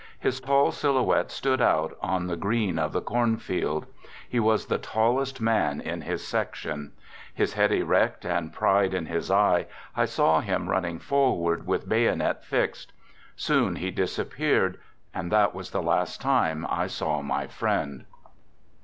His tall silhouette stood out on the green of the corn field. He was the tallest man in his section. His head erect and pride in his eye, I saw him running forward, with bayonet fixed. Soon he disappeared, and that was the last time I saw my friend.